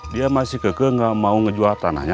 dia masih keke nggak mau ngejual tanahnya